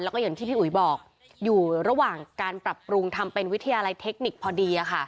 แล้วก็อย่างที่พี่อุ๋ยบอกอยู่ระหว่างการปรับปรุงทำเป็นวิทยาลัยเทคนิคพอดี